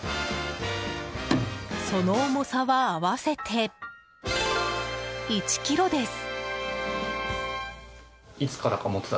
その重さは、合わせて１ｋｇです。